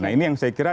nah ini yang saya kira